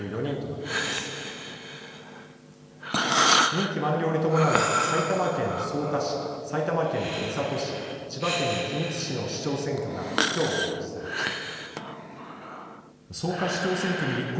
任期満了に伴う埼玉県草加市、埼玉県三郷市、千葉県君津市の市長選挙がきょう告示されました。